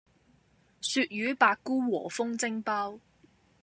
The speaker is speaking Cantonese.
鱈魚百菇和風蒸包